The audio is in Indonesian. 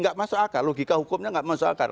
tidak masak akal logika hukumnya tidak masak akal